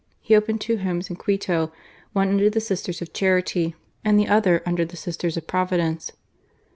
He opened two Homes in Quito, one under the Sisters of Charity, and the other under the Sisters of Providence.